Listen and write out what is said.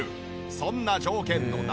そんな条件の中